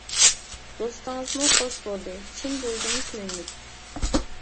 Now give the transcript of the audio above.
دوستىڭىزمۇ خوش بولدى، چىن دىلىدىن كۆيۈنۈپ.